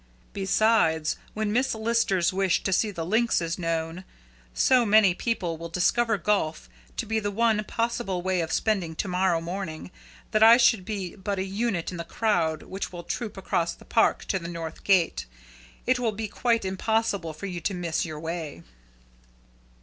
Besides, when Miss Lister's wish to see the links is known, so many people will discover golf to be the one possible way of spending to morrow morning, that I should be but a unit in the crowd which will troop across the park to the north gate. It will be quite impossible for you to miss your way."